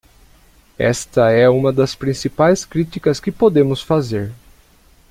Esta é uma das principais críticas que podemos fazer.